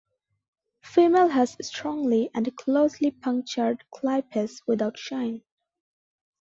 Female has strongly and closely punctured clypeus without shine.